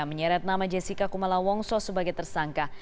menyeret nama jessica kumala wongso sebagai tersangka